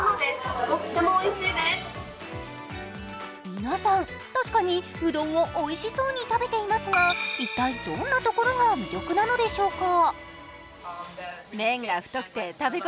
皆さん、確かにうどんをおいしそうに食べていますが、一体どんなところが魅力なのでしょうか。